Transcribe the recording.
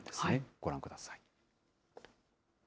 ご覧ください。